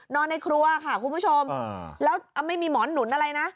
ในครัวค่ะคุณผู้ชมแล้วไม่มีหมอนหนุนอะไรนะ